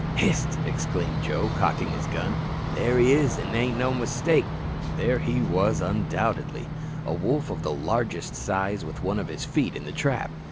"Hist!" exclaimed Joe, cocking his gun; "there he is, an' no mistake." There he was, undoubtedly. A wolf of the largest size with one of his feet in the trap.